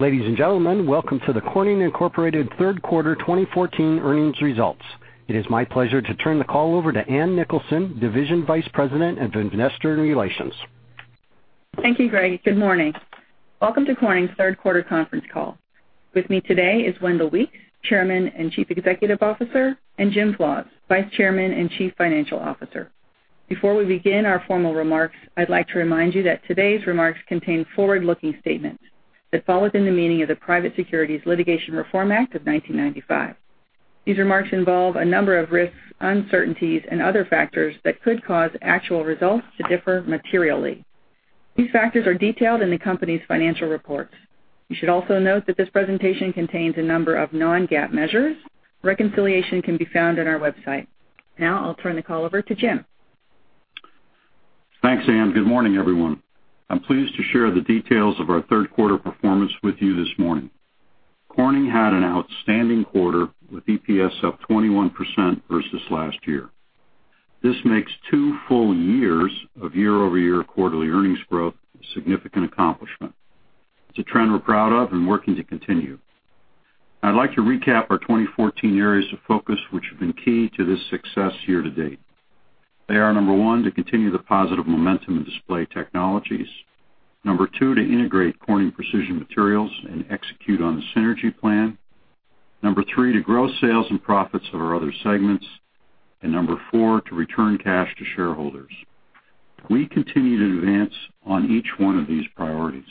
Ladies and gentlemen, welcome to the Corning Incorporated third quarter 2014 earnings results. It is my pleasure to turn the call over to Ann Nicholson, Division Vice President of Investor Relations. Thank you, Greg. Good morning. Welcome to Corning's third quarter conference call. With me today is Wendell Weeks, Chairman and Chief Executive Officer, and Jim Flaws, Vice Chairman and Chief Financial Officer. Before we begin our formal remarks, I'd like to remind you that today's remarks contain forward-looking statements that fall within the meaning of the Private Securities Litigation Reform Act of 1995. These remarks involve a number of risks, uncertainties, and other factors that could cause actual results to differ materially. These factors are detailed in the company's financial reports. You should also note that this presentation contains a number of non-GAAP measures. Reconciliation can be found on our website. I'll turn the call over to Jim. Thanks, Ann. Good morning, everyone. I'm pleased to share the details of our third quarter performance with you this morning. Corning had an outstanding quarter, with EPS up 21% versus last year. This makes two full years of year-over-year quarterly earnings growth a significant accomplishment. It's a trend we're proud of and working to continue. I'd like to recap our 2014 areas of focus, which have been key to this success year-to-date. They are, number one, to continue the positive momentum in Display Technologies. Number two, to integrate Corning Precision Materials and execute on the synergy plan. Number three, to grow sales and profits of our other segments. Number four, to return cash to shareholders. We continue to advance on each one of these priorities.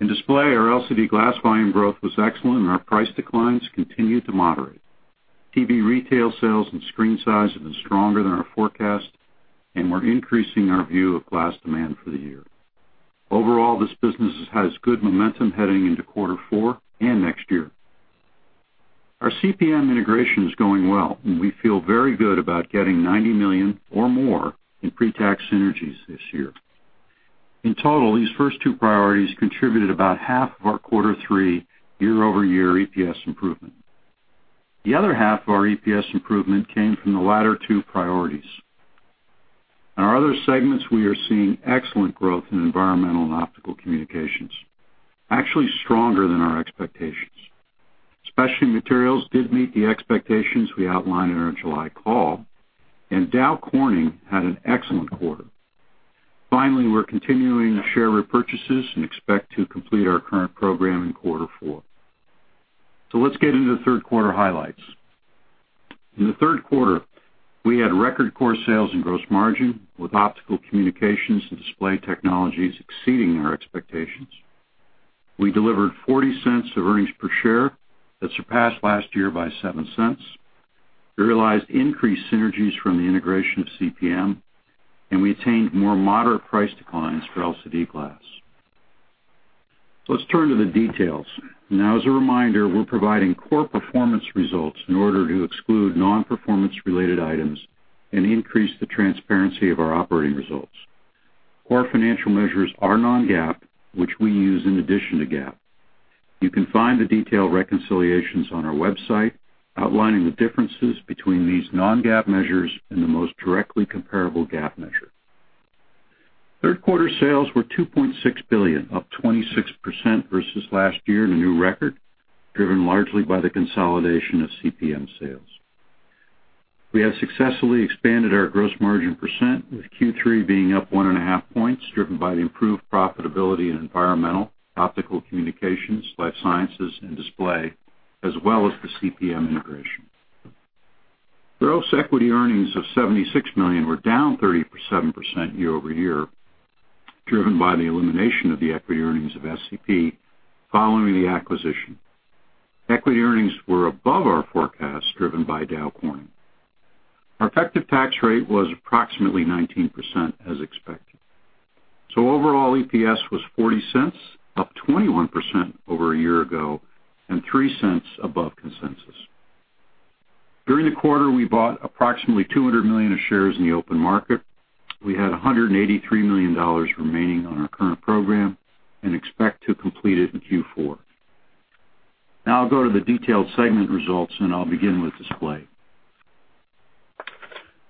In Display, our LCD glass volume growth was excellent, and our price declines continued to moderate. TV retail sales and screen size have been stronger than our forecast, and we're increasing our view of glass demand for the year. Overall, this business has good momentum heading into quarter four and next year. Our CPM integration is going well, and we feel very good about getting $90 million or more in pre-tax synergies this year. In total, these first two priorities contributed about half of our quarter three, year-over-year EPS improvement. The other half of our EPS improvement came from the latter two priorities. In our other segments, we are seeing excellent growth in Environmental Technologies and Optical Communications, actually stronger than our expectations. Specialty Materials did meet the expectations we outlined in our July call, and Dow Corning had an excellent quarter. Finally, we're continuing share repurchases and expect to complete our current program in quarter four. Let's get into the third quarter highlights. In the third quarter, we had record core sales and gross margin, with Optical Communications and Display Technologies exceeding our expectations. We delivered $0.40 of earnings per share. That surpassed last year by $0.07. We realized increased synergies from the integration of CPM, and we attained more moderate price declines for LCD glass. Let's turn to the details. As a reminder, we're providing core performance results in order to exclude non-performance related items and increase the transparency of our operating results. Core financial measures are non-GAAP, which we use in addition to GAAP. You can find the detailed reconciliations on our website outlining the differences between these non-GAAP measures and the most directly comparable GAAP measure. Third quarter sales were $2.6 billion, up 26% versus last year and a new record, driven largely by the consolidation of CPM sales. We have successfully expanded our gross margin percent, with Q3 being up one and a half points, driven by the improved profitability in Environmental, Optical Communications, Life Sciences, and Display, as well as the CPM integration. Gross equity earnings of $76 million were down 37% year-over-year, driven by the elimination of the equity earnings of SCP following the acquisition. Equity earnings were above our forecast, driven by Dow Corning. Our effective tax rate was approximately 19%, as expected. Overall, EPS was $0.40, up 21% over a year ago, and $0.03 above consensus. During the quarter, we bought approximately $200 million of shares in the open market. We had $183 million remaining on our current program and expect to complete it in Q4. I'll go to the detailed segment results, and I'll begin with Display.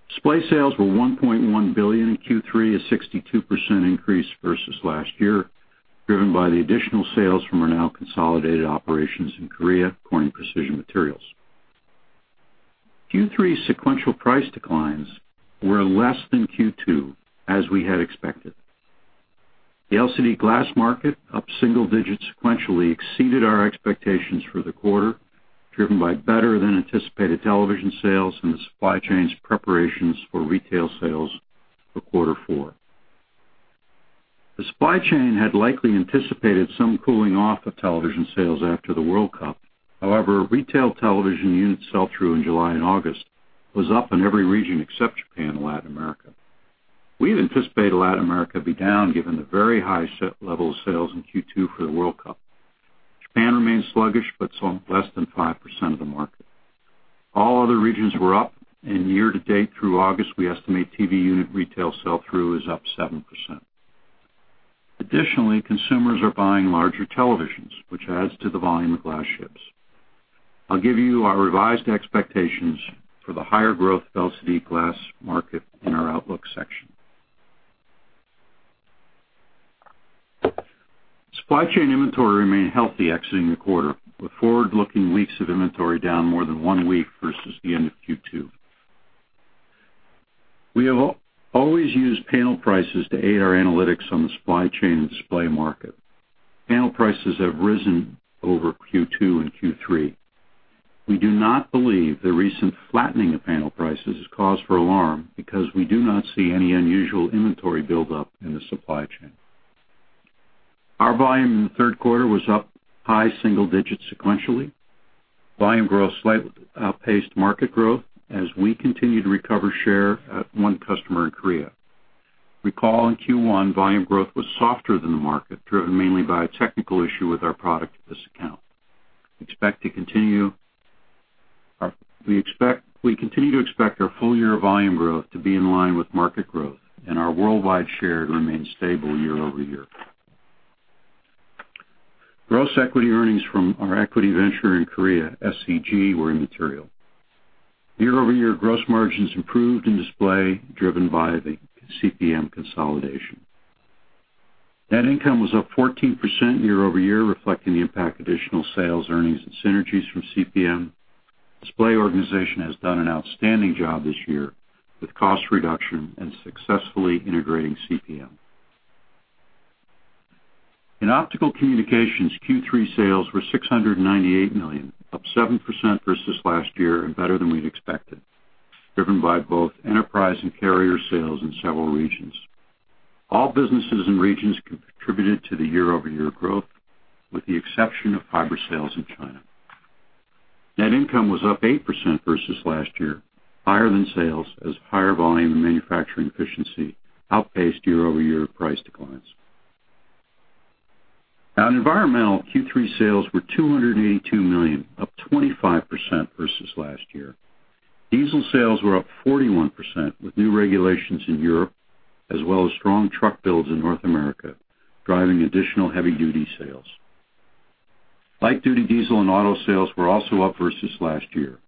Display sales were $1.1 billion in Q3, a 62% increase versus last year, driven by the additional sales from our now consolidated operations in Korea, Corning Precision Materials. Q3 sequential price declines were less than Q2, as we had expected. The LCD glass market, up single digits sequentially, exceeded our expectations for the quarter, driven by better than anticipated television sales and the supply chain's preparations for retail sales for Q4. The supply chain had likely anticipated some cooling off of television sales after the World Cup. However, retail television unit sell-through in July and August was up in every region except Japan and Latin America. We had anticipated Latin America be down given the very high level of sales in Q2 for the World Cup. Japan remains sluggish, but it's less than 5% of the market. All other regions were up and year-to-date through August, we estimate TV unit retail sell-through is up 7%. Additionally, consumers are buying larger televisions, which adds to the volume of glass ships. I'll give you our revised expectations for the higher growth LCD glass market in our outlook section. Supply chain inventory remained healthy exiting the quarter, with forward-looking weeks of inventory down more than one week versus the end of Q2. We have always used panel prices to aid our analytics on the supply chain and Display market. Panel prices have risen over Q2 and Q3. We do not believe the recent flattening of panel prices is cause for alarm because we do not see any unusual inventory buildup in the supply chain. Our volume in the third quarter was up high single digits sequentially. Volume growth slightly outpaced market growth as we continue to recover share at one customer in Korea. Recall in Q1, volume growth was softer than the market, driven mainly by a technical issue with our product at this account. We continue to expect our full-year volume growth to be in line with market growth and our worldwide share to remain stable year-over-year. Gross equity earnings from our equity venture in Korea, SEG, were immaterial. Year-over-year gross margins improved in Display, driven by the CPM consolidation. Net income was up 14% year-over-year, reflecting the impact additional sales earnings and synergies from CPM. Display organization has done an outstanding job this year with cost reduction and successfully integrating CPM. In Optical Communications, Q3 sales were $698 million, up 7% versus last year and better than we'd expected, driven by both enterprise and carrier sales in several regions. All businesses and regions contributed to the year-over-year growth, with the exception of fiber sales in China. Net income was up 8% versus last year, higher than sales, as higher volume and manufacturing efficiency outpaced year-over-year price declines. At Environmental, Q3 sales were $282 million, up 25% versus last year. Diesel sales were up 41%, with new regulations in Europe, as well as strong truck builds in North America, driving additional heavy duty sales. Light duty diesel and auto sales were also up versus last year.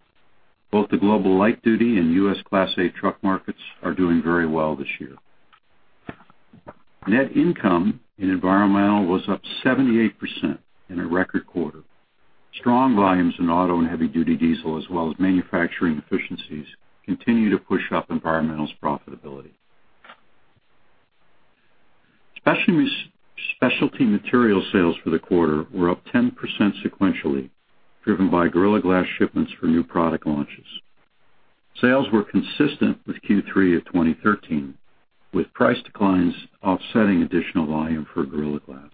Both the global light duty and U.S. Class 8 truck markets are doing very well this year. Net income in Environmental was up 78% in a record quarter. Strong volumes in auto and heavy duty diesel, as well as manufacturing efficiencies, continue to push up Environmental's profitability. Specialty Materials sales for the quarter were up 10% sequentially, driven by Gorilla Glass shipments for new product launches. Sales were consistent with Q3 of 2013, with price declines offsetting additional volume for Gorilla Glass.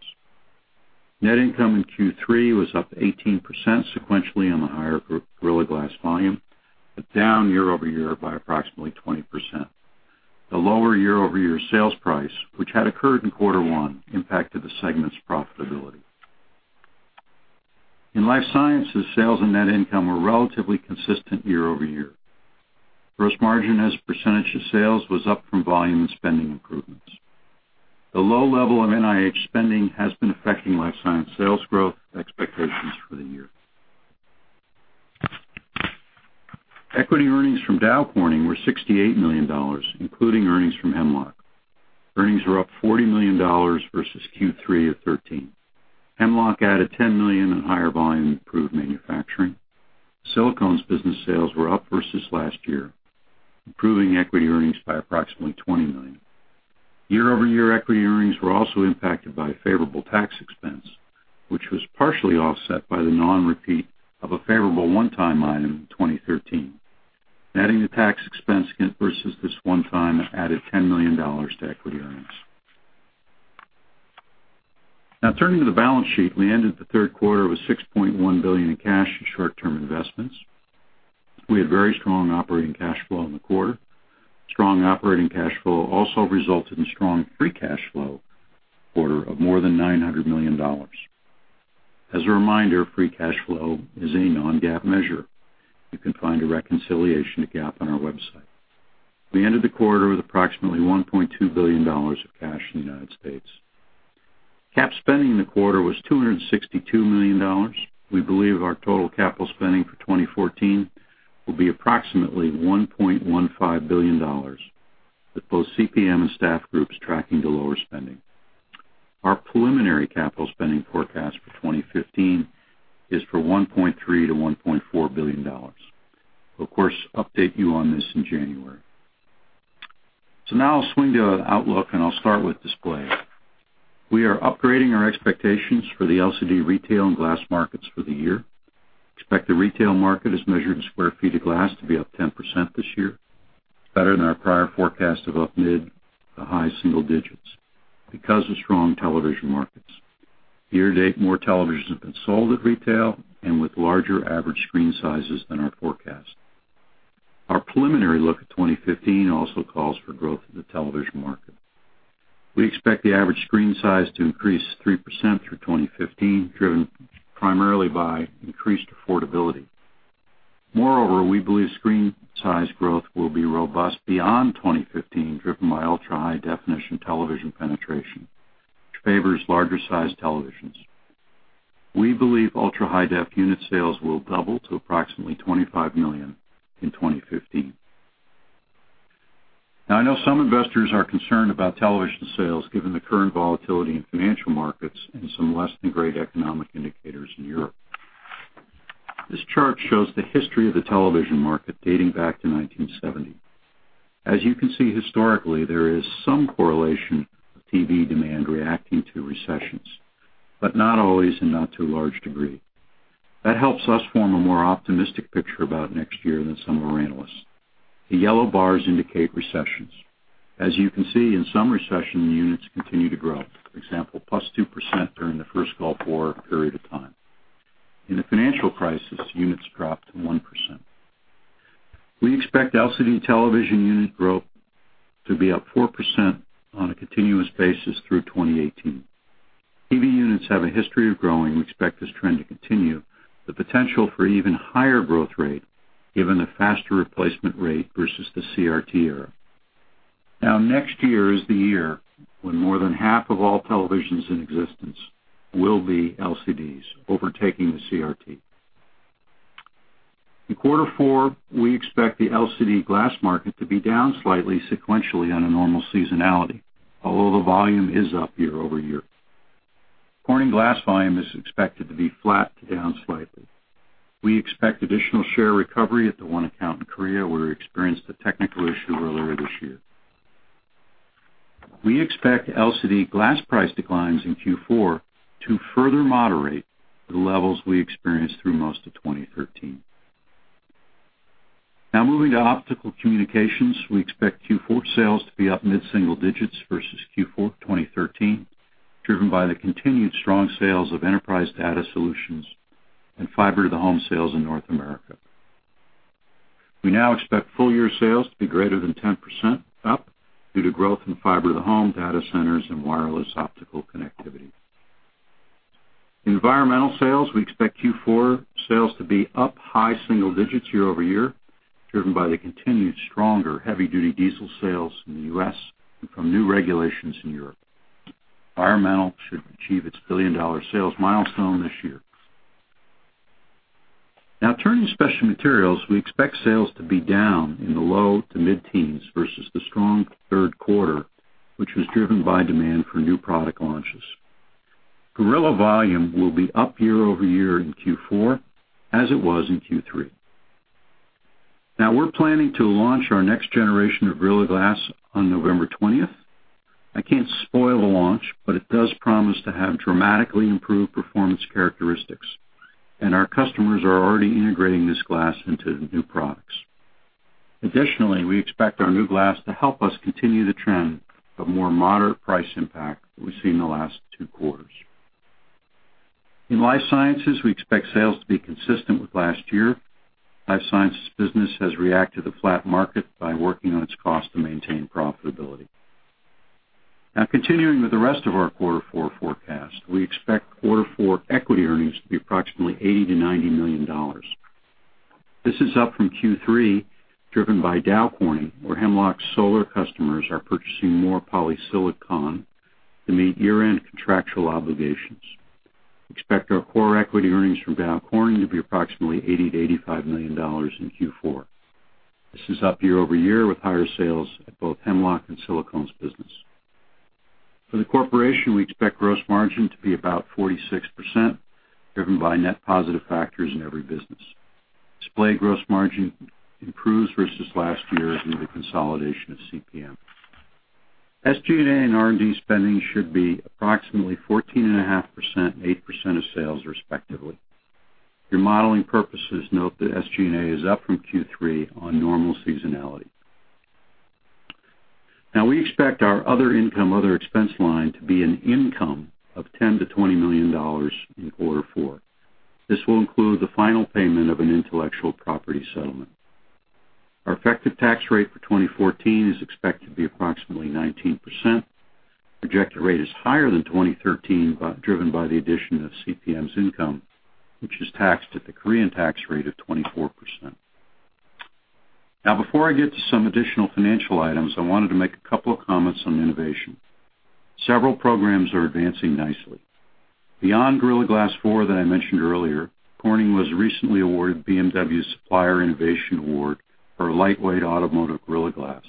Net income in Q3 was up 18% sequentially on the higher Gorilla Glass volume, but down year-over-year by approximately 20%. The lower year-over-year sales price, which had occurred in quarter one, impacted the segment's profitability. In Life Sciences, sales and net income were relatively consistent year-over-year. Gross margin as a percentage of sales was up from volume and spending improvements. The low level of NIH spending has been affecting Life Sciences sales growth expectations for the year. Equity earnings from Dow Corning were $68 million, including earnings from Hemlock. Earnings were up $40 million versus Q3 of 2013. Hemlock added $10 million on higher volume improved manufacturing. Silicones business sales were up versus last year, improving equity earnings by approximately $20 million. Year-over-year equity earnings were also impacted by favorable tax expense, which was partially offset by the non-repeat of a favorable one-time item in 2013. Netting the tax expense versus this one time added $10 million to equity earnings. Now turning to the balance sheet. We ended the third quarter with $6.1 billion in cash and short-term investments. We had very strong operating cash flow in the quarter. Strong operating cash flow also resulted in strong free cash flow in the quarter of more than $900 million. As a reminder, free cash flow is a non-GAAP measure. You can find a reconciliation to GAAP on our website. We ended the quarter with approximately $1.2 billion of cash in the United States. Cap spending in the quarter was $262 million. We believe our total capital spending for 2014 will be approximately $1.15 billion, with both CPM and staff groups tracking to lower spending. Our preliminary capital spending forecast for 2015 is for $1.3 billion-$1.4 billion. We'll of course update you on this in January. Now I'll swing to outlook, and I'll start with Display. We are upgrading our expectations for the LCD retail and glass markets for the year. Expect the retail market as measured in square feet of glass to be up 10% this year. Better than our prior forecast of up mid to high single digits because of strong television markets. Year-to-date, more televisions have been sold at retail and with larger average screen sizes than our forecast. Our preliminary look at 2015 also calls for growth in the television market. We expect the average screen size to increase 3% through 2015, driven primarily by increased affordability. Moreover, we believe screen size growth will be robust beyond 2015, driven by ultra-high definition television penetration, which favors larger size televisions. We believe ultra-high def unit sales will double to approximately 25 million in 2015. I know some investors are concerned about television sales given the current volatility in financial markets and some less-than-great economic indicators in Europe. This chart shows the history of the television market dating back to 1970. As you can see, historically, there is some correlation of TV demand reacting to recessions, but not always and not to a large degree. That helps us form a more optimistic picture about next year than some of our analysts. The yellow bars indicate recessions. As you can see, in some recession, the units continue to grow. For example, +2% during the first Gulf War period of time. In the financial crisis, units dropped to 1%. We expect LCD television unit growth to be up 4% on a continuous basis through 2018. TV units have a history of growing. We expect this trend to continue with the potential for even higher growth rate given the faster replacement rate versus the CRT era. Next year is the year when more than half of all televisions in existence will be LCDs, overtaking the CRT. In quarter four, we expect the LCD glass market to be down slightly sequentially on a normal seasonality, although the volume is up year-over-year. Corning glass volume is expected to be flat to down slightly. We expect additional share recovery at the one account in Korea where we experienced a technical issue earlier this year. We expect LCD glass price declines in Q4 to further moderate the levels we experienced through most of 2013. Moving to Optical Communications. We expect Q4 sales to be up mid-single digits versus Q4 2013, driven by the continued strong sales of enterprise data solutions and fiber-to-the-home sales in North America. We now expect full-year sales to be greater than 10% up due to growth in fiber-to-the-home data centers and wireless optical connectivity. In Environmental sales, we expect Q4 sales to be up high single digits year-over-year, driven by the continued stronger heavy-duty diesel sales in the U.S. and from new regulations in Europe. Environmental should achieve its billion-dollar sales milestone this year. Turning to Specialty Materials, we expect sales to be down in the low to mid-teens versus the strong third quarter, which was driven by demand for new product launches. Gorilla Glass volume will be up year-over-year in Q4 as it was in Q3. We're planning to launch our next generation of Gorilla Glass on November 20th. I can't spoil the launch, but it does promise to have dramatically improved performance characteristics, and our customers are already integrating this glass into new products. Additionally, we expect our new glass to help us continue the trend of more moderate price impact that we've seen the last two quarters. In Life Sciences, we expect sales to be consistent with last year. Life Sciences business has reacted to the flat market by working on its cost to maintain profitability. Continuing with the rest of our Q4 forecast. We expect Q4 equity earnings to be approximately $80 million-$90 million. This is up from Q3, driven by Dow Corning, where Hemlock's solar customers are purchasing more polysilicon to meet year-end contractual obligations. We expect our core equity earnings from Dow Corning to be approximately $80 million-$85 million in Q4. This is up year-over-year with higher sales at both Hemlock and Silicones business. For the corporation, we expect gross margin to be about 46%, driven by net positive factors in every business. Display Technologies gross margin improves versus last year due to the consolidation of CPM. SG&A and R&D spending should be approximately 14.5% and 8% of sales, respectively. For modeling purposes, note that SG&A is up from Q3 on normal seasonality. We expect our other income/other expense line to be an income of $10 million-$20 million in Q4. This will include the final payment of an intellectual property settlement. Our effective tax rate for 2014 is expected to be approximately 19%. Projected rate is higher than 2013, driven by the addition of CPM's income, which is taxed at the Korean tax rate of 24%. Before I get to some additional financial items, I wanted to make a couple of comments on innovation. Several programs are advancing nicely. Beyond Gorilla Glass 4 that I mentioned earlier, Corning was recently awarded BMW's Supplier Innovation Award for lightweight automotive Gorilla Glass.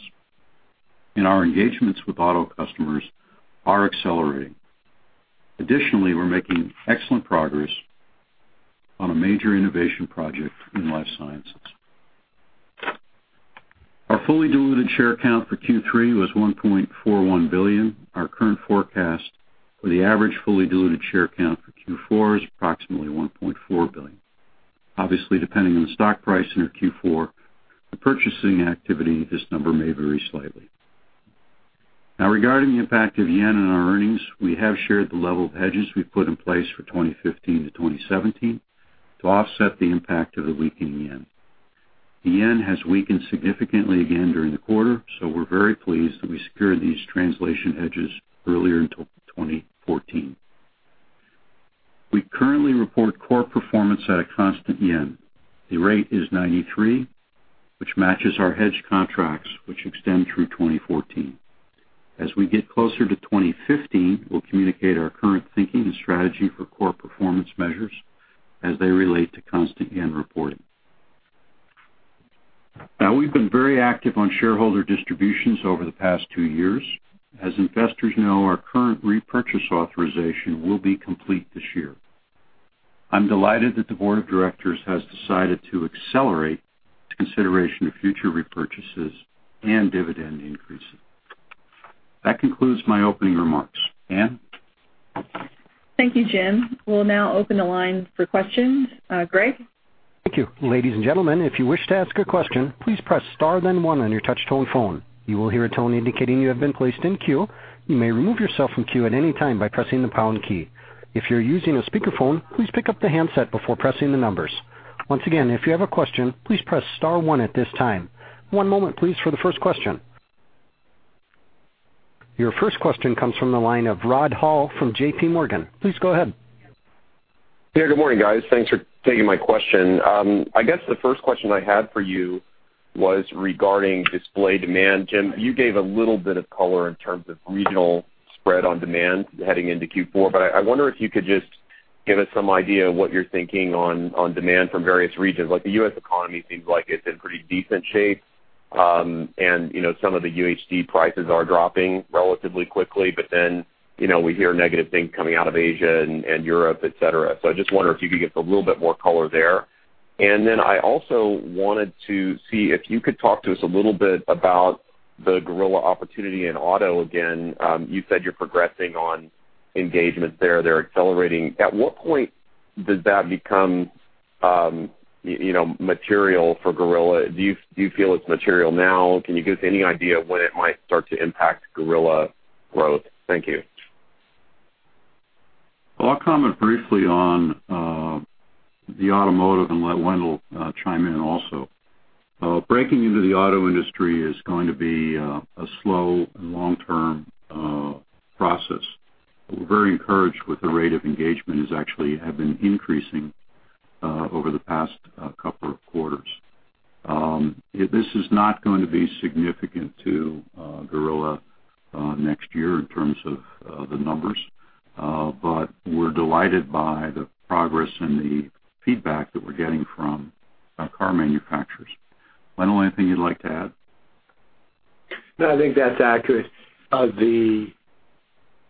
Our engagements with auto customers are accelerating. Additionally, we're making excellent progress on a major innovation project in Life Sciences. Our fully diluted share count for Q3 was 1.41 billion. Our current forecast for the average fully diluted share count for Q4 is approximately 1.4 billion. Obviously, depending on the stock price in our Q4 and purchasing activity, this number may vary slightly. Regarding the impact of JPY on our earnings, we have shared the level of hedges we've put in place for 2015-2017 to offset the impact of the weakening JPY. The JPY has weakened significantly again during the quarter, so we're very pleased that we secured these translation hedges earlier in 2014. We currently report core performance at a constant JPY. The rate is 93, which matches our hedge contracts, which extend through 2014. As we get closer to 2015, we'll communicate our current thinking and strategy for core performance measures as they relate to constant JPY reporting. We've been very active on shareholder distributions over the past two years. As investors know, our current repurchase authorization will be complete this year. I'm delighted that the board of directors has decided to accelerate its consideration of future repurchases and dividend increases. That concludes my opening remarks. Ann? Thank you, Jim. We'll now open the line for questions. Greg? Thank you. Ladies and gentlemen, if you wish to ask a question, please press star then one on your touch tone phone. You will hear a tone indicating you have been placed in queue. You may remove yourself from queue at any time by pressing the pound key. If you're using a speakerphone, please pick up the handset before pressing the numbers. Once again, if you have a question, please press star one at this time. One moment, please, for the first question. Your first question comes from the line of Rod Hall from JPMorgan. Please go ahead. Good morning, guys. Thanks for taking my question. I guess the first question I had for you was regarding display demand. Jim, you gave a little bit of color in terms of regional spread on demand heading into Q4, but I wonder if you could just give us some idea of what you're thinking on demand from various regions. The U.S. economy seems like it's in pretty decent shape. Some of the UHD prices are dropping relatively quickly, but we hear negative things coming out of Asia and Europe, et cetera. I just wonder if you could give us a little bit more color there. I also wanted to see if you could talk to us a little bit about the Gorilla opportunity in auto again. You said you're progressing on engagements there. They're accelerating. At what point does that become material for Gorilla? Do you feel it's material now? Can you give us any idea of when it might start to impact Gorilla growth? Thank you. Well, I'll comment briefly on the automotive and let Wendell chime in also. Breaking into the auto industry is going to be a slow and long-term process. We're very encouraged with the rate of engagement is actually have been increasing over the past couple of quarters. This is not going to be significant to Gorilla next year in terms of the numbers. We're delighted by the progress and the feedback that we're getting from car manufacturers. Wendell, anything you'd like to add? No, I think that's accurate. The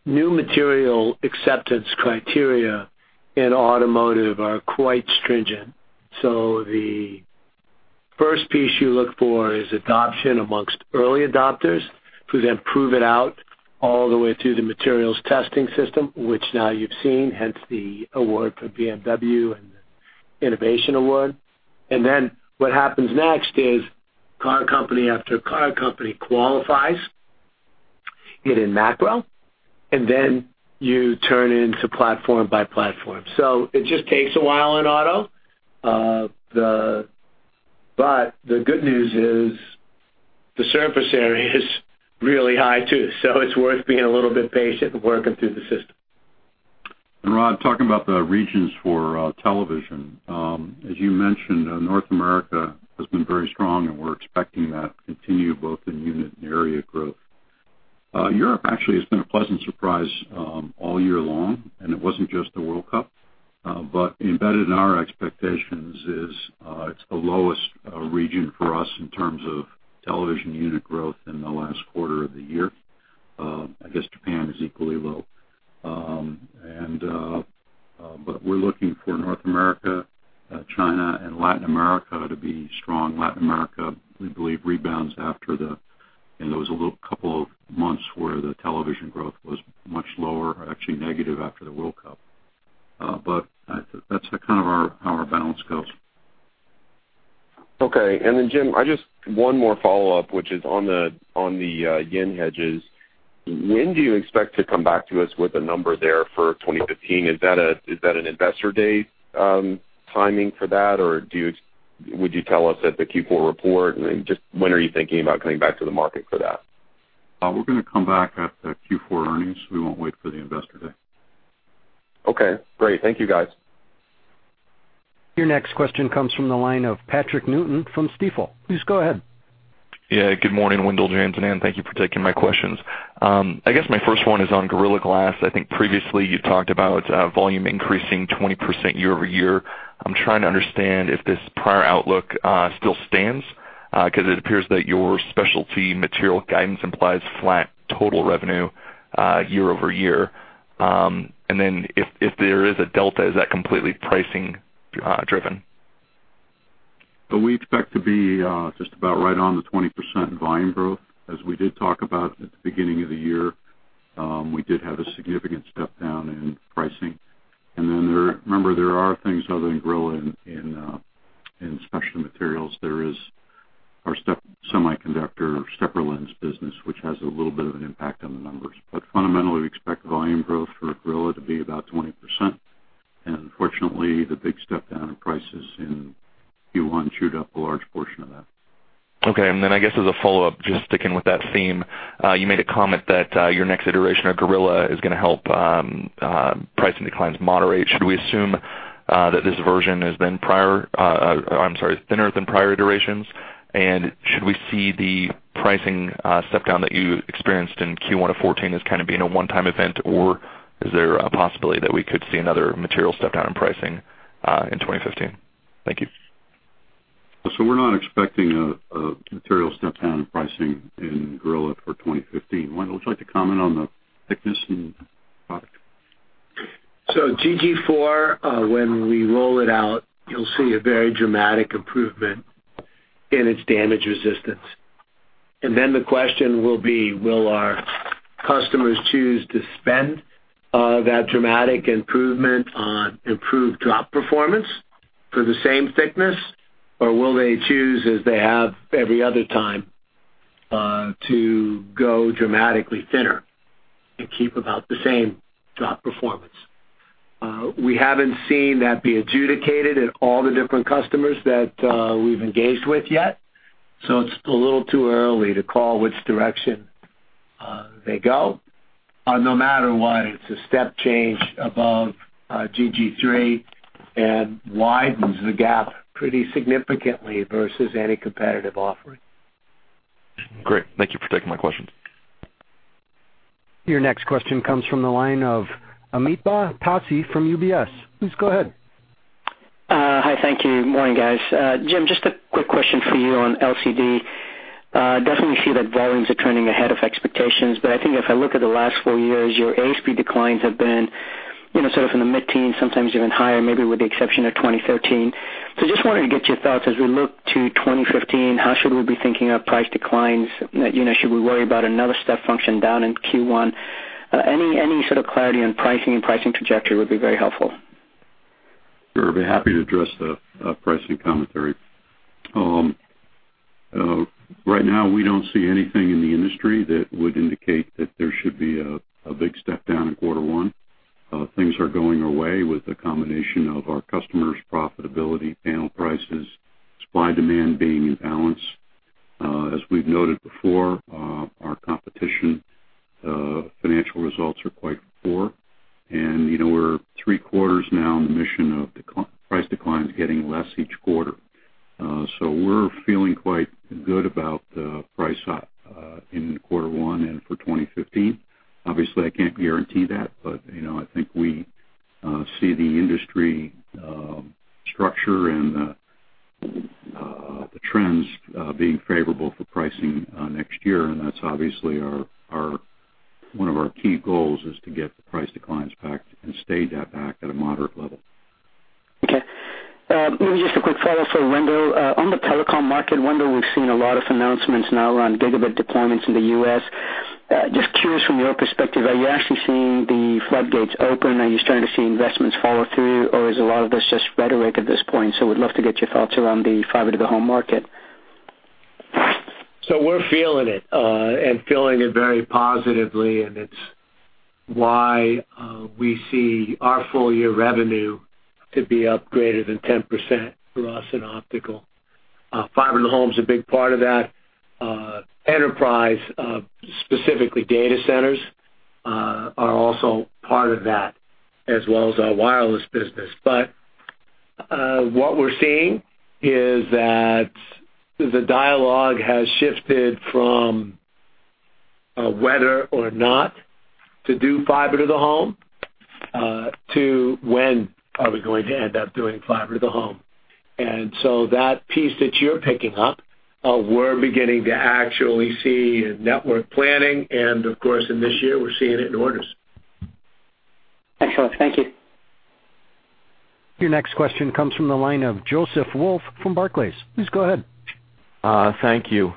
new material acceptance criteria in automotive are quite stringent. The first piece you look for is adoption amongst early adopters, who then prove it out all the way through the materials testing system, which now you've seen, hence the award from BMW and the innovation award. What happens next is car company after car company qualifies it in macro, and then you turn into platform by platform. It just takes a while in auto. The good news is the surface area is really high, too. It's worth being a little bit patient and working through the system. Rod, talking about the regions for television. As you mentioned, North America has been very strong, and we're expecting that to continue both in unit and area growth. Europe actually has been a pleasant surprise all year long, and it wasn't just the World Cup. Embedded in our expectations is, it's the lowest region for us in terms of television unit growth in the last quarter of the year. I guess Japan is equally low. We're looking for North America, China, and Latin America to be strong. Latin America, we believe, rebounds after There was a little couple of months where the television growth was much lower, actually negative after the World Cup. That's kind of how our balance goes. Okay. Jim, just one more follow-up, which is on the JPY hedges. When do you expect to come back to us with a number there for 2015? Is that an investor date timing for that, or would you tell us at the Q4 report? Just when are you thinking about coming back to the market for that? We're going to come back at the Q4 earnings. We won't wait for the investor day. Okay, great. Thank you, guys. Your next question comes from the line of Patrick Newton from Stifel. Please go ahead. Yeah. Good morning, Wendell, James, and Ann. Thank you for taking my questions. I guess my first one is on Gorilla Glass. I think previously you talked about volume increasing 20% year-over-year. I'm trying to understand if this prior outlook still stands, because it appears that your Specialty Materials guidance implies flat total revenue year-over-year. Then if there is a delta, is that completely pricing driven? We expect to be just about right on the 20% volume growth. As we did talk about at the beginning of the year, we did have a significant step down in pricing. Remember, there are things other than Gorilla in Specialty Materials. There is our semiconductor stepper lens business, which has a little bit of an impact on the numbers. Fundamentally, we expect volume growth for Gorilla to be about 20%. Unfortunately, the big step down in prices in Q1 chewed up a large portion of that. Okay. I guess as a follow-up, just sticking with that theme, you made a comment that your next iteration of Gorilla is going to help price declines moderate. Should we assume that this version has been thinner than prior iterations? Should we see the pricing step-down that you experienced in Q1 of 2014 as kind of being a one-time event, or is there a possibility that we could see another material step-down in pricing in 2015? Thank you. We're not expecting a material step-down in pricing in Gorilla for 2015. Wendell, would you like to comment on the thickness and product? GG4, when we roll it out, you'll see a very dramatic improvement in its damage resistance. The question will be, will our customers choose to spend that dramatic improvement on improved drop performance for the same thickness, or will they choose, as they have every other time, to go dramatically thinner and keep about the same drop performance? We haven't seen that be adjudicated in all the different customers that we've engaged with yet, so it's a little too early to call which direction they go. No matter what, it's a step change above GG3 and widens the gap pretty significantly versus any competitive offering. Great. Thank you for taking my questions. Your next question comes from the line of Amit Daryanani from UBS. Please go ahead. Hi. Thank you. Morning, guys. Jim, just a quick question for you on LCD. Definitely see that volumes are trending ahead of expectations, but I think if I look at the last four years, your ASP declines have been sort of in the mid-teens, sometimes even higher, maybe with the exception of 2013. Just wanted to get your thoughts as we look to 2015, how should we be thinking of price declines? Should we worry about another step function down in Q1? Any sort of clarity on pricing and pricing trajectory would be very helpful. Sure. I'd be happy to address the pricing commentary. Right now, we don't see anything in the industry that would indicate that there should be a big step down in quarter one. Things are going our way with the combination of our customers' profitability, panel prices, supply-demand being in balance. As we've noted before, our competition financial results are quite poor. We're three quarters now in the mission of price declines getting less each quarter. We're feeling quite good about the price in quarter one and for 2015. Obviously, I can't guarantee that, but I think we see the industry structure and the trends being favorable for pricing next year. That's obviously one of our key goals, is to get the price declines back and stay that back at a moderate level. Okay. Maybe just a quick follow-up for Wendell. On the telecom market, Wendell, we've seen a lot of announcements now around gigabit deployments in the U.S. Just curious from your perspective, are you actually seeing the floodgates open? Are you starting to see investments follow through, or is a lot of this just rhetoric at this point? Would love to get your thoughts around the fiber-to-the-home market. We're feeling it, and feeling it very positively, and it's why we see our full year revenue to be up greater than 10% for us in Optical Communications. Fiber-to-the-home is a big part of that. Enterprise, specifically data centers, are also part of that, as well as our wireless business. What we're seeing is that the dialogue has shifted from whether or not to do fiber-to-the-home, to when are we going to end up doing fiber-to-the-home. That piece that you're picking up, we're beginning to actually see in network planning, and of course, in this year, we're seeing it in orders. Excellent. Thank you. Your next question comes from the line of Joseph Wolf from Barclays. Please go ahead. Thank you.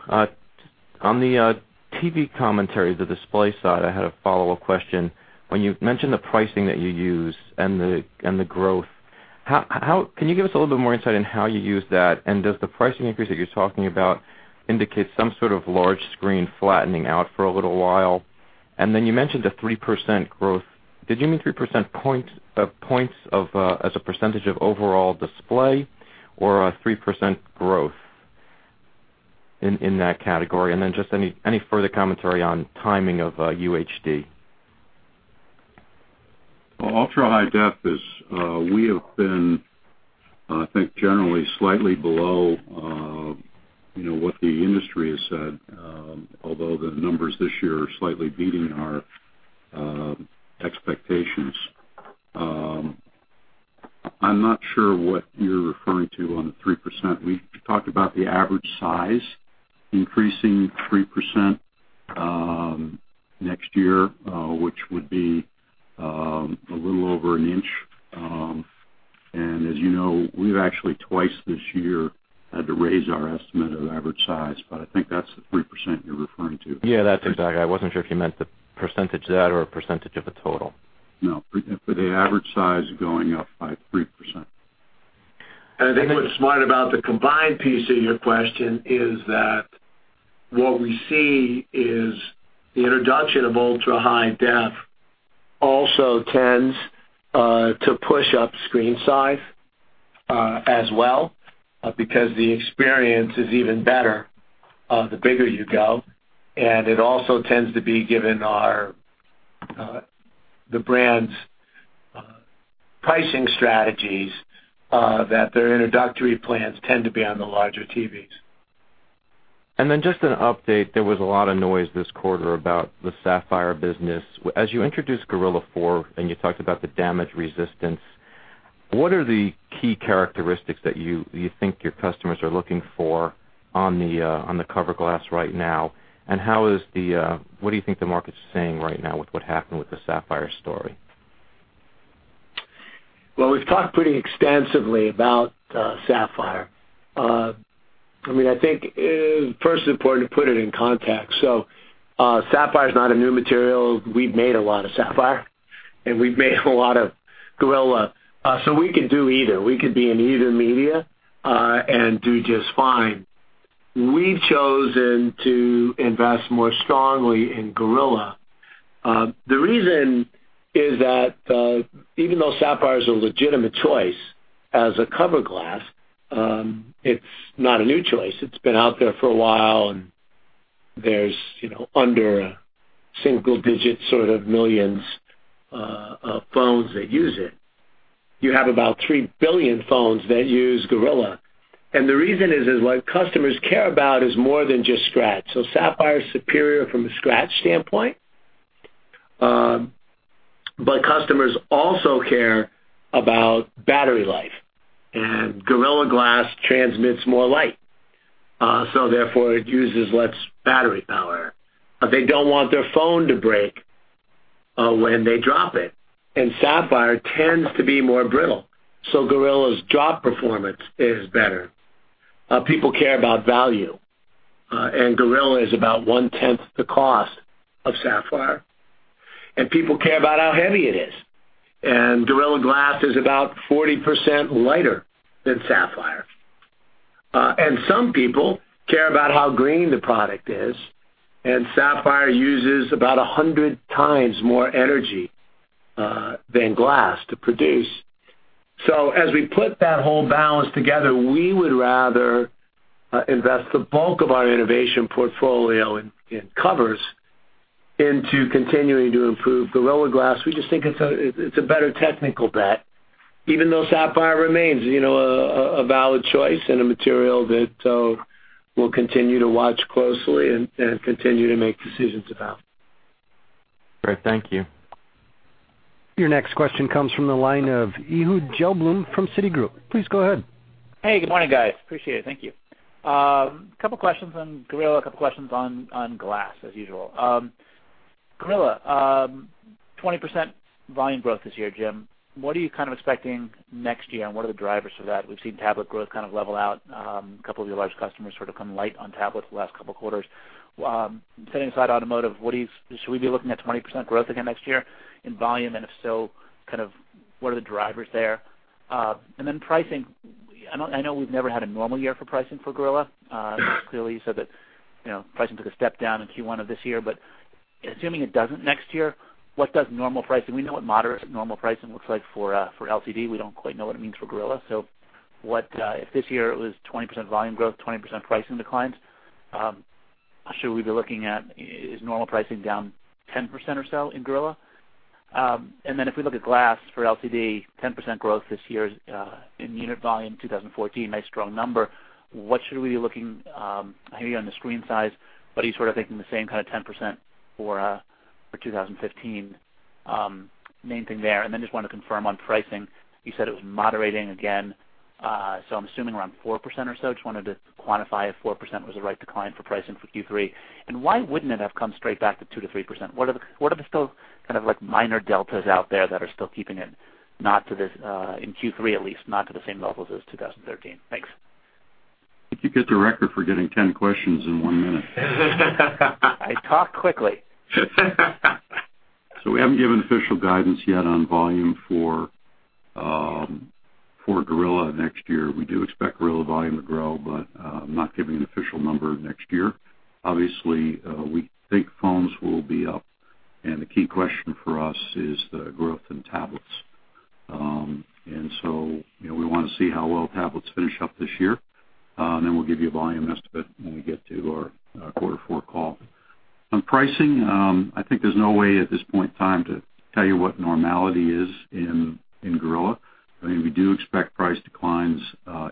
On the TV commentary, the Display Technologies side, I had a follow-up question. When you mentioned the pricing that you use and the growth, can you give us a little bit more insight on how you use that? Does the pricing increase that you're talking about indicate some sort of large screen flattening out for a little while? You mentioned the 3% growth. Did you mean 3 percentage points as a percentage of overall Display Technologies or a 3% growth in that category? Just any further commentary on timing of UHD. Ultra-high def, we have been, I think, generally slightly below what the industry has said, although the numbers this year are slightly beating our expectations. I'm not sure what you're referring to on the 3%. We talked about the average size increasing 3% next year, which would be a little over an inch. As you know, we've actually twice this year had to raise our estimate of average size, but I think that's the 3% you're referring to. Yeah, that's exactly. I wasn't sure if you meant the percentage of that or a percentage of the total. No. For the average size going up by 3%. I think what's smart about the combined piece of your question is that what we see is the introduction of ultra-high definition also tends to push up screen size as well, because the experience is even better the bigger you go. It also tends to be, given the brand's pricing strategies, that their introductory plans tend to be on the larger TVs. Just an update. There was a lot of noise this quarter about the Sapphire business. As you introduced Gorilla Glass 4, and you talked about the damage resistance, what are the key characteristics that you think your customers are looking for on the cover glass right now? What do you think the market's saying right now with what happened with the Sapphire story? We've talked pretty extensively about Sapphire. I think it, first, is important to put it in context. Sapphire is not a new material. We've made a lot of Sapphire, and we've made a lot of Gorilla Glass. We could do either. We could be in either media, and do just fine. We've chosen to invest more strongly in Gorilla Glass. The reason is that even though Sapphire is a legitimate choice as a cover glass, it's not a new choice. It's been out there for a while, and there's under a single-digit sort of millions of phones that use it. You have about 3 billion phones that use Gorilla Glass, the reason is what customers care about is more than just scratch. Sapphire is superior from a scratch standpoint, but customers also care about battery life, and Gorilla Glass transmits more light, therefore it uses less battery power. They don't want their phone to break when they drop it, and Sapphire tends to be more brittle. Gorilla Glass's drop performance is better. People care about value, and Gorilla Glass is about one-tenth the cost of Sapphire. People care about how heavy it is, and Gorilla Glass is about 40% lighter than Sapphire. Some people care about how green the product is, and Sapphire uses about 100 times more energy than glass to produce. As we put that whole balance together, we would rather invest the bulk of our innovation portfolio in covers into continuing to improve Gorilla Glass. We just think it's a better technical bet, even though Sapphire remains a valid choice and a material that we'll continue to watch closely and continue to make decisions about. Great. Thank you. Your next question comes from the line of Ehud Gelblum from Citigroup. Please go ahead. Hey, good morning, guys. Appreciate it. Thank you. Couple questions on Gorilla, couple questions on glass, as usual. Gorilla, 20% volume growth this year, Jim, what are you kind of expecting next year, and what are the drivers for that? We've seen tablet growth kind of level out. A couple of your large customers sort of come light on tablets the last couple of quarters. Setting aside automotive, should we be looking at 20% growth again next year in volume? If so, what are the drivers there? Then pricing, I know we've never had a normal year for pricing for Gorilla. Clearly, you said that pricing took a step down in Q1 of this year, but assuming it doesn't next year, what does normal pricing, we know what moderate normal pricing looks like for LCD. We don't quite know what it means for Gorilla. If this year it was 20% volume growth, 20% pricing declines, should we be looking at is normal pricing down 10% or so in Gorilla? Then if we look at glass for LCD, 10% growth this year in unit volume, 2014, nice strong number. What should we be looking maybe on the screen size, but are you sort of thinking the same kind of 10% for 2015? Main thing there. Then just want to confirm on pricing. You said it was moderating again, so I'm assuming around 4% or so. Just wanted to quantify if 4% was the right decline for pricing for Q3, and why wouldn't it have come straight back to 2%-3%? What are the still kind of like minor deltas out there that are still keeping it, in Q3 at least, not to the same levels as 2013? Thanks. I think you get the record for getting 10 questions in one minute. I talk quickly. We haven't given official guidance yet on volume for Gorilla next year. We do expect Gorilla volume to grow, but I'm not giving an official number next year. Obviously, we think phones will be up, and the key question for us is the growth in tablets. We want to see how well tablets finish up this year. Then we'll give you a volume estimate when we get to our quarter four call. On pricing, I think there's no way at this point in time to tell you what normality is in Gorilla. We do expect price declines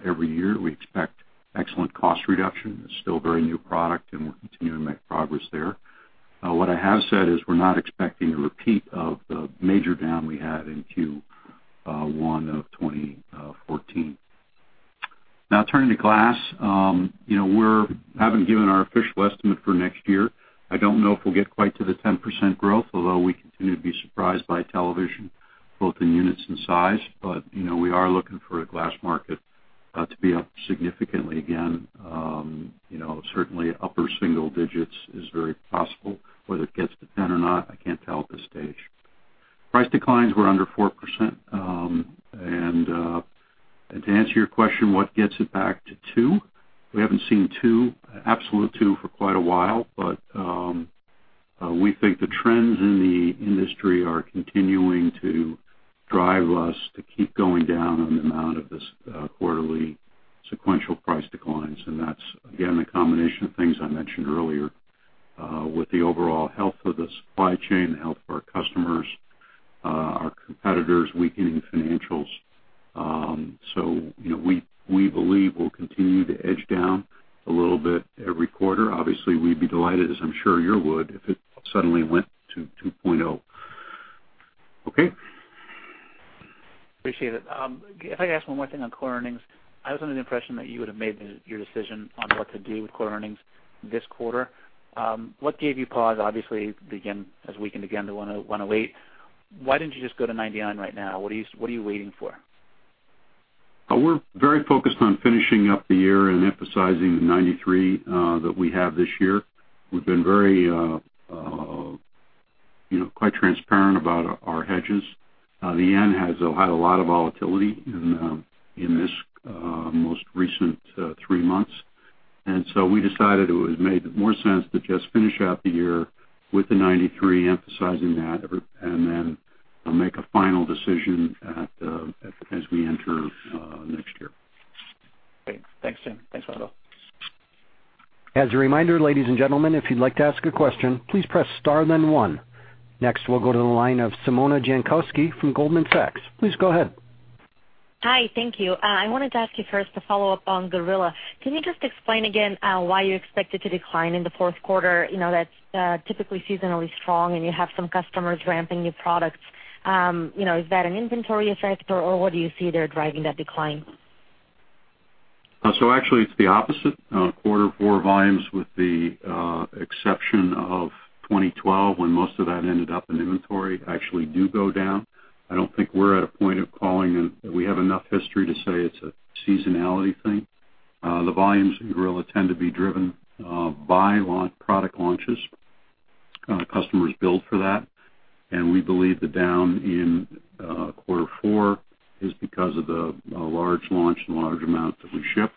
every year. We expect excellent cost reduction. It's still a very new product, and we're continuing to make progress there. What I have said is we're not expecting a repeat of the major down we had in Q1 of 2014. Turning to glass, we haven't given our official estimate for next year. I don't know if we'll get quite to the 10% growth, although we continue to be surprised by television, both in units and size. We are looking for a glass market to be up significantly again. Certainly upper single digits is very possible. Whether it gets to 10 or not, I can't tell at this stage. Price declines were under 4%. To answer your question, what gets it back to two? We haven't seen two, absolute two, for quite a while. We think the trends in the industry are continuing to drive us to keep going down on the amount of this quarterly sequential price declines. That's, again, a combination of things I mentioned earlier. With the overall health of the supply chain, the health of our customers, our competitors, weakening financials. We believe we'll continue to edge down a little bit every quarter. Obviously, we'd be delighted, as I'm sure you would, if it suddenly went to 2.0. Okay. Appreciate it. If I could ask one more thing on core earnings. I was under the impression that you would have made your decision on what to do with core earnings this quarter. What gave you pause? Obviously, as we came again to 108, why didn't you just go to 99 right now? What are you waiting for? We're very focused on finishing up the year and emphasizing the 93 that we have this year. We've been quite transparent about our hedges. The yen has had a lot of volatility in this most recent three months. We decided it would have made more sense to just finish out the year with the 93, emphasizing that, and then make a final decision as we enter next year. Great. Thanks, Jim. Thanks, Wendell. As a reminder, ladies and gentlemen, if you'd like to ask a question, please press star then one. Next, we'll go to the line of Simona Jankowski from Goldman Sachs. Please go ahead. Hi, thank you. I wanted to ask you first to follow up on Gorilla. Can you just explain again why you expect it to decline in the fourth quarter? That's typically seasonally strong, and you have some customers ramping new products. Is that an inventory effect, or what do you see there driving that decline? Actually, it's the opposite. Quarter four volumes, with the exception of 2012, when most of that ended up in inventory, actually do go down. I don't think we're at a point of calling and we have enough history to say it's a seasonality thing. The volumes in Gorilla tend to be driven by product launches. Customers build for that. We believe the down in quarter four is because of the large launch and the large amount that we ship.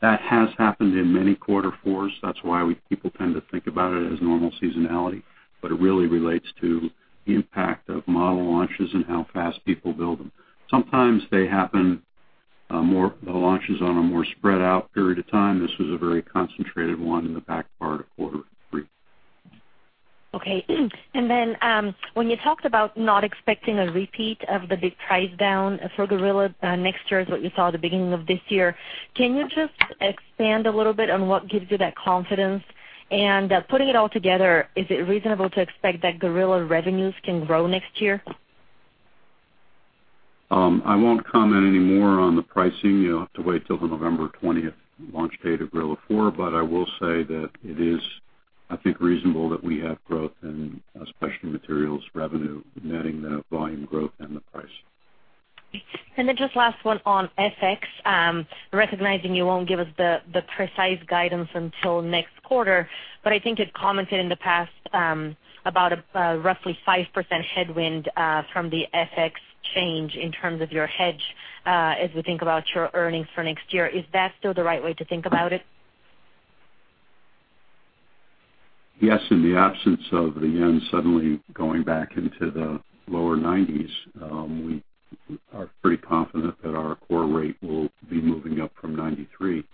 That has happened in many quarter fours. That's why people tend to think about it as normal seasonality, but it really relates to the impact of model launches and how fast people build them. Sometimes they happen, the launches, on a more spread out period of time. This was a very concentrated one in the back part of quarter three. Okay. When you talked about not expecting a repeat of the big price down for Gorilla next year, is what you saw at the beginning of this year, can you just expand a little bit on what gives you that confidence? Putting it all together, is it reasonable to expect that Gorilla revenues can grow next year? I won't comment any more on the pricing. You'll have to wait till the November 20th launch date of Gorilla Glass 4. I will say that it is, I think, reasonable that we have growth in Specialty Materials revenue, netting the volume growth and the price. Just last one on FX. Recognizing you won't give us the precise guidance until next quarter, I think you'd commented in the past about a roughly 5% headwind from the FX change in terms of your hedge as we think about your earnings for next year. Is that still the right way to think about it? Yes, in the absence of the yen suddenly going back into the lower 90s, we are pretty confident that our core rate will be moving up from 93.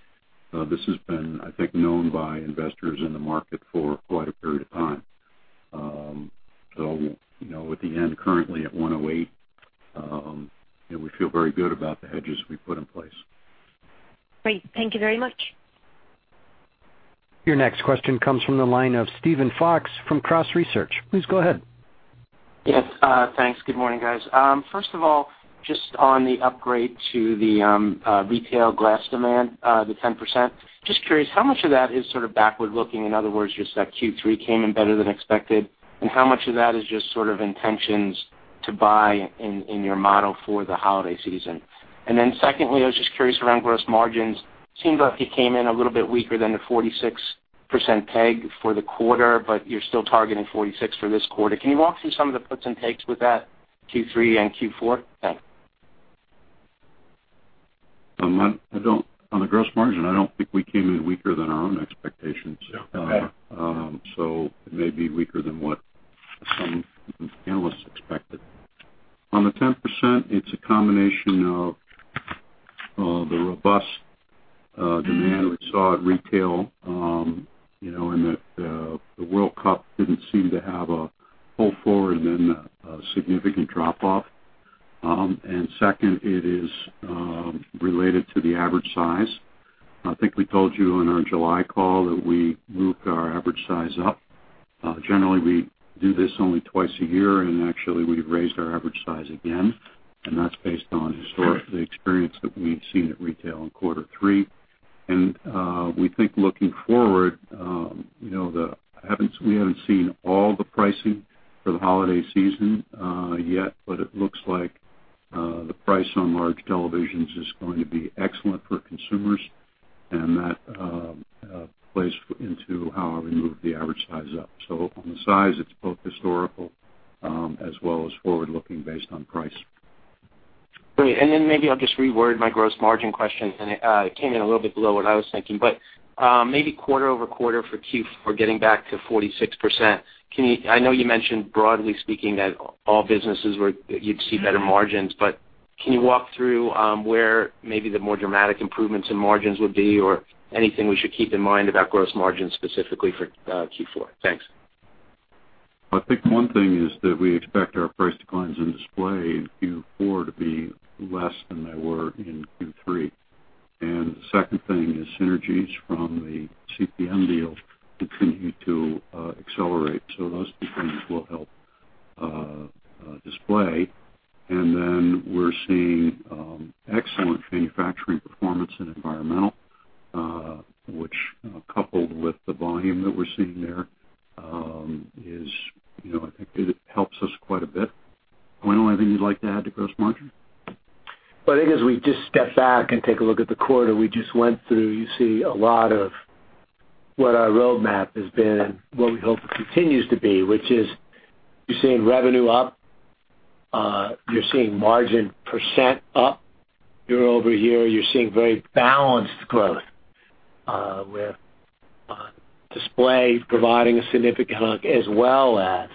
This has been, I think, known by investors in the market for quite a period of time. With the yen currently at 108, we feel very good about the hedges we put in place. Great. Thank you very much. Your next question comes from the line of Steven Fox from Cross Research. Please go ahead. Yes, thanks. Good morning, guys. First of all, just on the upgrade to the retail glass demand, the 10%. Just curious, how much of that is sort of backward-looking? In other words, just that Q3 came in better than expected, and how much of that is just sort of intentions to buy in your model for the holiday season? Secondly, I was just curious around gross margins. Seems like you came in a little bit weaker than the 46% peg for the quarter, but you're still targeting 46% for this quarter. Can you walk through some of the puts and takes with that Q3 and Q4? Thanks. On the gross margin, I don't think we came in weaker than our own expectations. Okay. It may be weaker than what some analysts expected. On the 10%, it is a combination of the robust demand we saw at retail, and that the World Cup didn't seem to have a pull forward and then a significant drop off. Second, it is related to the average size. I think we told you in our July call that we moved our average size up. Generally, we do this only twice a year, and actually, we've raised our average size again, and that's based on historically experience that we've seen at retail in quarter three. We think looking forward, we haven't seen all the pricing for the holiday season yet, but it looks like the price on large televisions is going to be excellent for consumers, and that plays into how we move the average size up. On the size, it's both historical as well as forward-looking based on price. Great. Maybe I'll just reword my gross margin question. It came in a little bit below what I was thinking, but maybe quarter-over-quarter for Q4 getting back to 46%. I know you mentioned broadly speaking that all businesses you'd see better margins, but can you walk through where maybe the more dramatic improvements in margins would be or anything we should keep in mind about gross margins specifically for Q4? Thanks. I think one thing is that we expect our price declines in Display in Q4 to be less than they were in Q3. The second thing is synergies from the CPM deal continue to accelerate. Those two things will help Display. We're seeing excellent manufacturing performance in Environmental, which coupled with the volume that we're seeing there, I think it helps us quite a bit. Wendell, anything you'd like to add to gross margin? Well, I think as we just step back and take a look at the quarter we just went through, you see a lot of what our roadmap has been, what we hope it continues to be, which is you're seeing revenue up, you're seeing margin % up year-over-year. You're seeing very balanced growth with display providing a significant hook as well as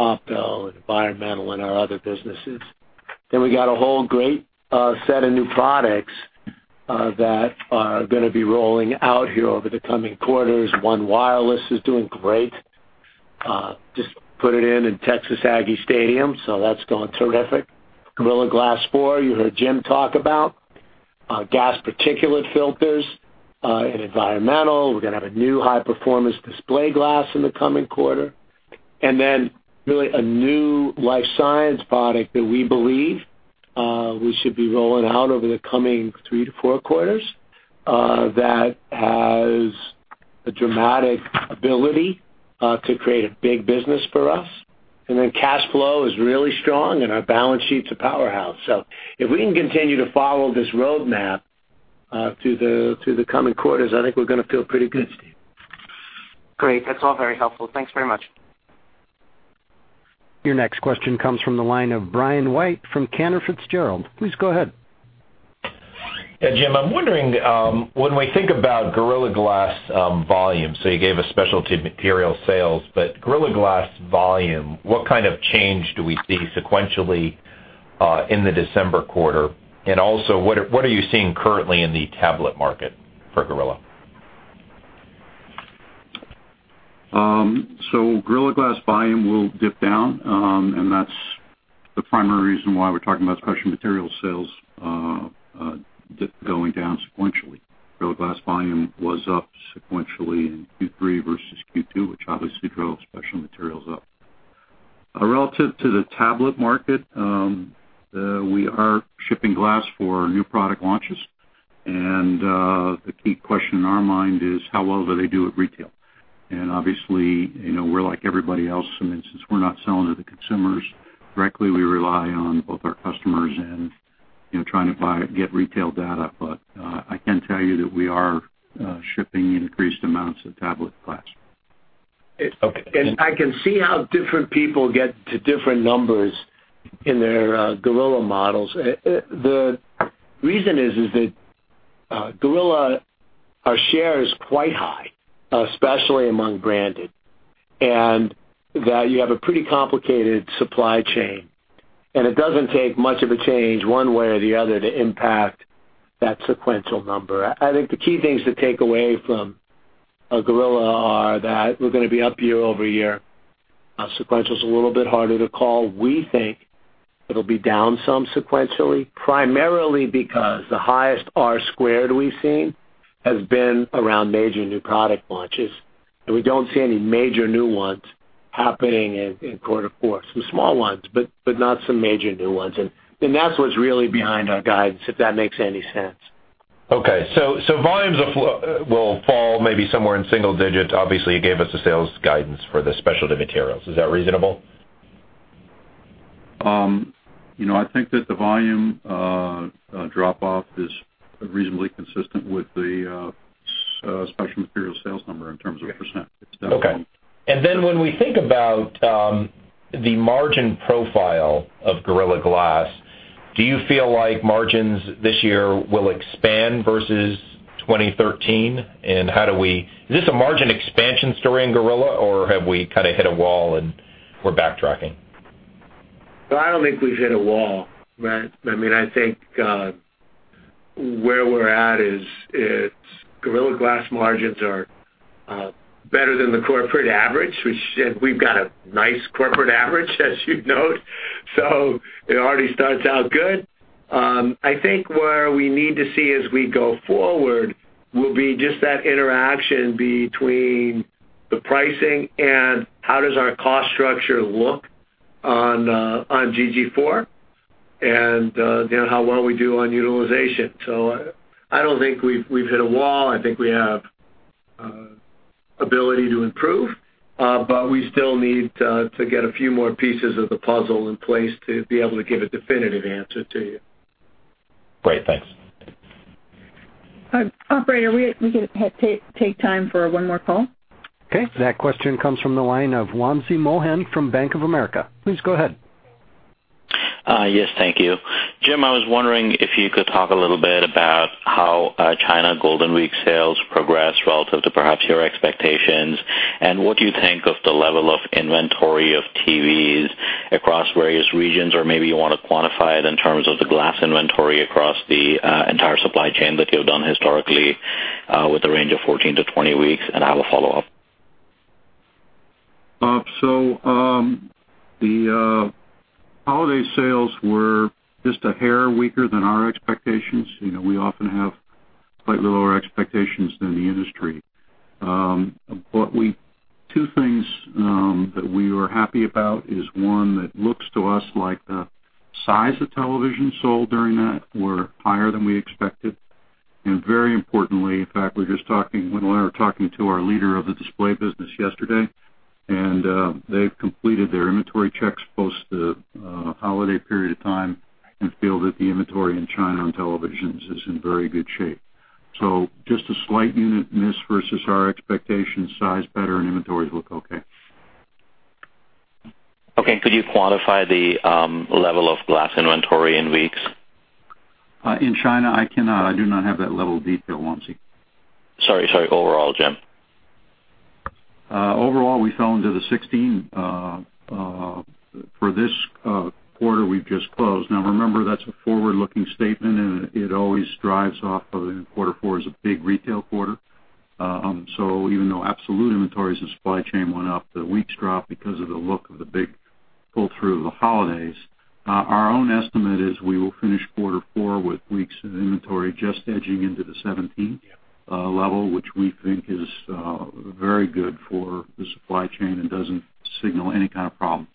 OpTel and Environmental Technologies and our other businesses. We got a whole great set of new products that are going to be rolling out here over the coming quarters. One wireless is doing great. Just put it in in Kyle Field, so that's going terrific. Gorilla Glass 4, you heard Jim talk about. Gas particulate filters in Environmental Technologies. We're going to have a new high-performance display glass in the coming quarter. Really a new Life Sciences product that we believe we should be rolling out over the coming three to four quarters that has the dramatic ability to create a big business for us. Cash flow is really strong and our balance sheet's a powerhouse. If we can continue to follow this roadmap through the coming quarters, I think we're going to feel pretty good, Steve. Great. That's all very helpful. Thanks very much. Your next question comes from the line of Brian White from Cantor Fitzgerald. Please go ahead. Jim, I'm wondering, when we think about Gorilla Glass volume, you gave us Specialty Materials sales, Gorilla Glass volume, what kind of change do we see sequentially in the December quarter? Also, what are you seeing currently in the tablet market for Gorilla? Gorilla Glass volume will dip down, that's the primary reason why we're talking about Specialty Materials sales going down sequentially. Gorilla Glass volume was up sequentially in Q3 versus Q2, which obviously drove Specialty Materials up. Relative to the tablet market, we are shipping glass for new product launches. The key question in our mind is how well do they do at retail? Obviously, we're like everybody else. Since we're not selling to the consumers directly, we rely on both our customers and trying to get retail data. I can tell you that we are shipping increased amounts of tablet glass. Okay. I can see how different people get to different numbers in their Gorilla models. The reason is that Gorilla, our share is quite high, especially among branded, that you have a pretty complicated supply chain, it doesn't take much of a change one way or the other to impact that sequential number. I think the key things to take away from Gorilla are that we're going to be up year-over-year. Sequential's a little bit harder to call. We think it'll be down some sequentially, primarily because the highest R squared we've seen has been around major new product launches, we don't see any major new ones happening in quarter four. Some small ones, not some major new ones. That's what's really behind our guidance, if that makes any sense. Okay, volumes will fall maybe somewhere in single digits. Obviously, you gave us the sales guidance for the Specialty Materials. Is that reasonable? I think that the volume drop off is reasonably consistent with the Specialty Materials sales number in terms of %. It's down. Okay. Then when we think about the margin profile of Gorilla Glass, do you feel like margins this year will expand versus 2013? Is this a margin expansion story in Gorilla, or have we kind of hit a wall and we're backtracking? I don't think we've hit a wall. I think where we're at is Gorilla Glass margins are better than the corporate average, which we've got a nice corporate average as you'd note. It already starts out good. I think where we need to see as we go forward will be just that interaction between the pricing and how does our cost structure look on GG4 and how well we do on utilization. I don't think we've hit a wall. I think we have We have ability to improve, we still need to get a few more pieces of the puzzle in place to be able to give a definitive answer to you. Great. Thanks. Operator, we can take time for one more call. Okay. That question comes from the line of Wamsi Mohan from Bank of America. Please go ahead. Yes, thank you. Jim, I was wondering if you could talk a little bit about how China Golden Week sales progressed relative to perhaps your expectations, and what you think of the level of inventory of TVs across various regions. Or maybe you want to quantify it in terms of the glass inventory across the entire supply chain that you've done historically with a range of 14 to 20 weeks, I have a follow-up. The holiday sales were just a hair weaker than our expectations. We often have slightly lower expectations than the industry. Two things that we were happy about is, one, that looks to us like the size of television sold during that were higher than we expected. Very importantly, in fact, Wendell and I were talking to our leader of the display business yesterday, and they've completed their inventory checks post the holiday period of time and feel that the inventory in China on televisions is in very good shape. Just a slight unit miss versus our expectation size better and inventories look okay. Okay, could you quantify the level of glass inventory in weeks? In China, I cannot. I do not have that level of detail, Wamsi. Sorry. Overall, Jim. Overall, we fell into the 16 for this quarter we've just closed. Remember, that's a forward-looking statement, and it always drives off of Q4 is a big retail quarter. Even though absolute inventories and supply chain went up, the weeks dropped because of the look of the big pull-through of the holidays. Our own estimate is we will finish Q4 with weeks of inventory just edging into the 17th level, which we think is very good for the supply chain and doesn't signal any kind of problems.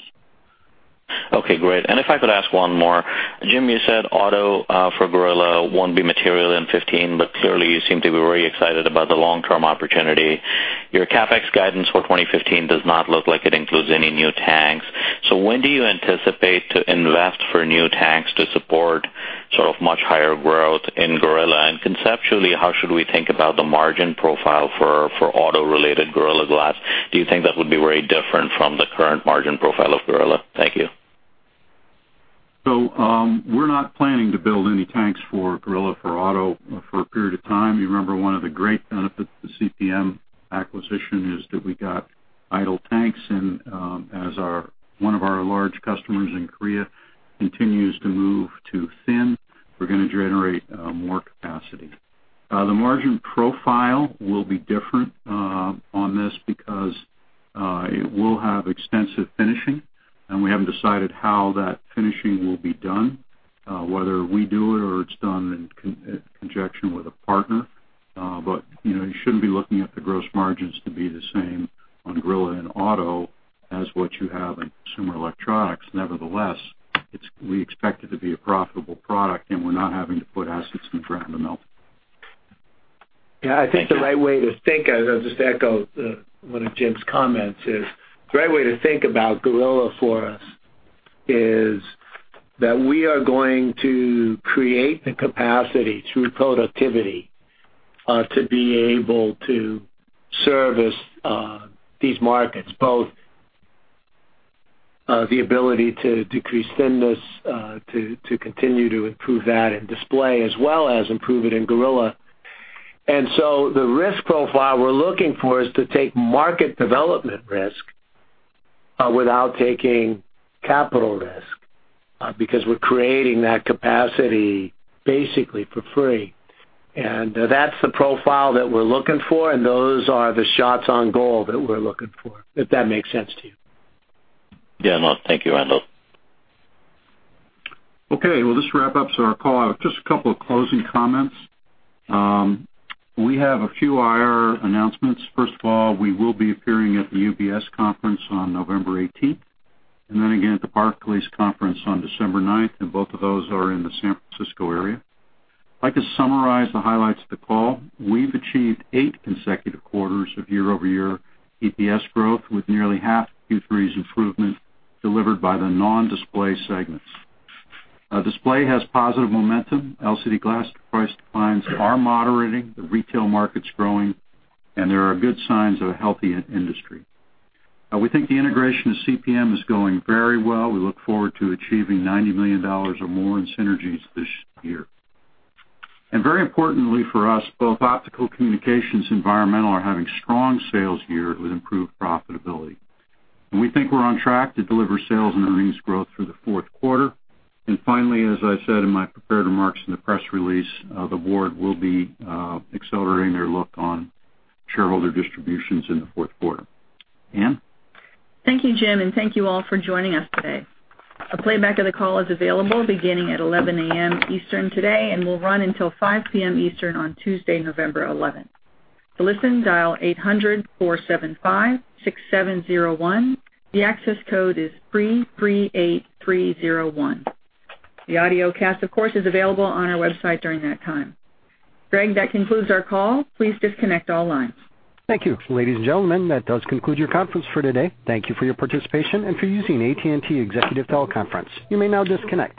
Okay, great. If I could ask one more. Jim, you said auto for Gorilla won't be material in 2015, but clearly you seem to be very excited about the long-term opportunity. Your CapEx guidance for 2015 does not look like it includes any new tanks. When do you anticipate to invest for new tanks to support much higher growth in Gorilla? Conceptually, how should we think about the margin profile for auto-related Gorilla Glass? Do you think that would be very different from the current margin profile of Gorilla? Thank you. We're not planning to build any tanks for Gorilla for auto for a period of time. You remember one of the great benefits of the CPM acquisition is Okay, we'll just wrap up. Our call, just a couple of closing comments. We have a few IR announcements. First of all, we will be appearing at the UBS conference on November 18th, then again at the Barclays conference on December 9th, both of those are in the San Francisco area. I'd like to summarize the highlights of the call. We've achieved 8 consecutive quarters of year-over-year EPS growth, with nearly half Q3's improvement delivered by the non-display segments. Display has positive momentum. LCD glass price declines are moderating. The retail market's growing, there are good signs of a healthy industry. We think the integration of CPM is going very well. We look forward to achieving $90 million or more in synergies this year. Very importantly for us, both Optical Communications Environmental are having strong sales year with improved profitability. We think we're on track to deliver sales and earnings growth through the fourth quarter. Finally, as I said in my prepared remarks in the press release, the board will be accelerating their look on shareholder distributions in the fourth quarter. Ann? Thank you, Jim, and thank you all for joining us today. A playback of the call is available beginning at 11:00 A.M. Eastern today and will run until 5:00 P.M. Eastern on Tuesday, November 11th. To listen, dial 800-475-6701. The access code is 338301. The audiocast, of course, is available on our website during that time. Greg, that concludes our call. Please disconnect all lines. Thank you. Ladies and gentlemen, that does conclude your conference for today. Thank you for your participation and for using AT&T TeleConference Services. You may now disconnect.